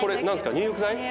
入浴剤。